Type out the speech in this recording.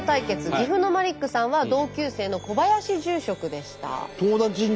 岐阜のマリックさんは同級生の小林住職でした。